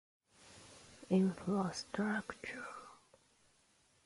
Infrastructure.